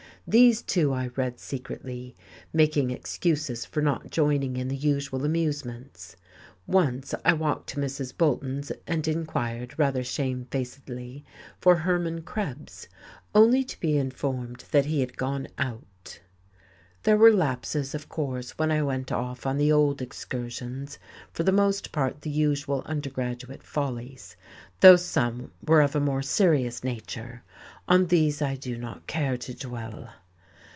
These too I read secretly, making excuses for not joining in the usual amusements. Once I walked to Mrs. Bolton's and inquired rather shamefacedly for Hermann Krebs, only to be informed that he had gone out.... There were lapses, of course, when I went off on the old excursions, for the most part the usual undergraduate follies, though some were of a more serious nature; on these I do not care to dwell.